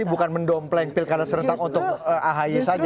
jadi bukan mendompleng pelkan serentak untuk ahy saja ya